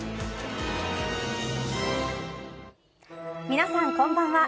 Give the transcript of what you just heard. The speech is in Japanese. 皆さんこんばんは。